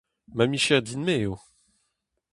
Ma micher din-me eo.